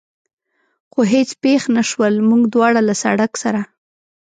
خو هېڅ پېښ نه شول، موږ دواړه له سړک سره.